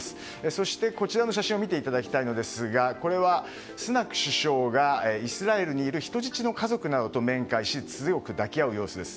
そして、こちらの写真を見ていただきたいんですがこれは、スナク首相がイスラエルにいる人質の家族などと面会し強く抱き合う様子です。